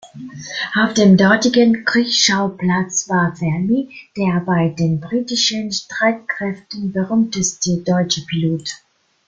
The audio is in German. Auf dem dortigen Kriegsschauplatz war Felmy der bei den britischen Streitkräften berühmteste deutsche Pilot.